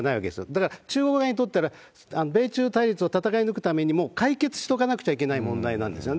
だから、中国側にとったら、米中対立を戦い抜くためにも、解決しとかなきゃいけない問題なんですよね。